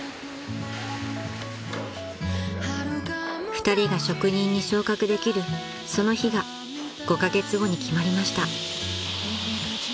［２人が職人に昇格できるその日が５カ月後に決まりました］